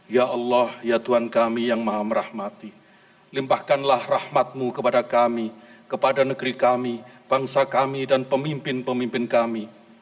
ya allah ya tuhan kami yang maha merahmati limpahkanlah rahmatmu kepada kami kepada negeri kami bangsa kami dan pemimpin pemimpin kami